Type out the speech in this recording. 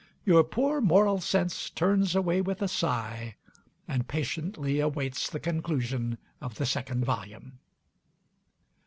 Your poor moral sense turns away with a sigh, and patiently awaits the conclusion of the second volume.